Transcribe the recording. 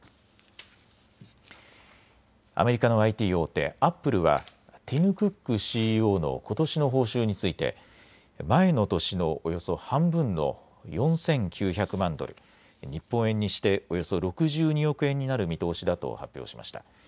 アメリカのＩＴ大手、アップルはティム・クックＣＥＯのことしの報酬について前の年のおよそ半分の４９００万ドル、日本円にしておよそ６２億円になる見通しだと発表しました。